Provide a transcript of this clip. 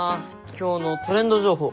今日のトレンド情報。